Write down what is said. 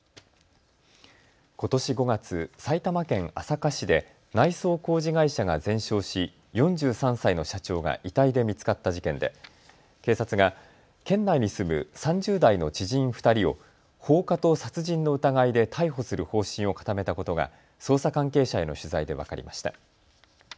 ことし５月、埼玉県朝霞市で内装工事会社が全焼し４３歳の社長が遺体で見つかった事件で、警察が県内に住む３０代の知人２人を放火と殺人の疑いで逮捕する方針を固めたことが捜査関係者への取材で分かりました。